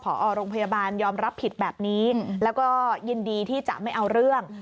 พอโรงพยาบาลยอมรับผิดแบบนี้แล้วก็ยินดีที่จะไม่เอาเรื่อง